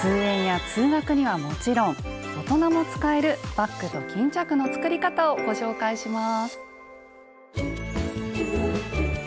通園や通学にはもちろん大人も使えるバッグと巾着の作り方をご紹介します。